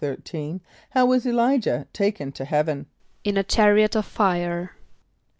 = How was [+E] l[=i]´jah taken to heaven? =In a chariot of fire.